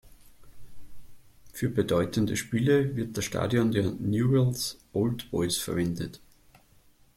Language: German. Für bedeutende Spiele wird das Stadion der Newell’s Old Boys verwendet.